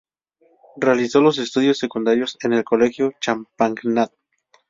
Realizó los estudios secundarios en el Colegio Champagnat.